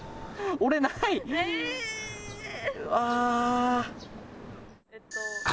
俺、ないな。